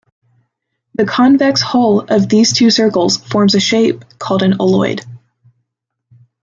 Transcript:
The convex hull of these two circles forms a shape called an oloid.